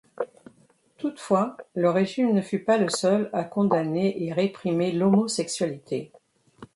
Toutefois, le régime ne fut pas le seul à condamner et réprimer l'homosexualité.